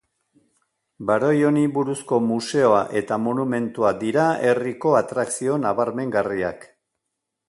Baroi honi buruzko museoa eta monumentua dira herriko atrakzio nabarmengarriak.